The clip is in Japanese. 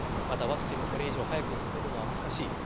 また、ワクチンもこれ以上早く進めるのは難しい。